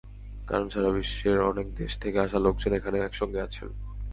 কারণ, সারা বিশ্বের অনেক দেশ থেকে আসা লোকজন এখানে একসঙ্গে আছেন।